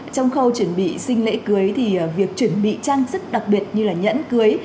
trong khâu chuẩn bị sinh lễ cưới thì việc chuẩn bị trang sức đặc biệt như là nhẫn cưới